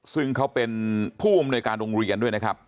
ซึ่งเขาเป็นผู้อำนวยการโรงเรียนด้วยนะครับ